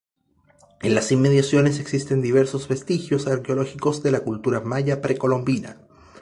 En las inmediaciones existen diversos vestigios arqueológicos de la cultura maya precolombina.